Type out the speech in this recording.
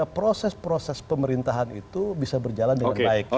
proses proses pemerintahan itu bisa berjalan dengan baik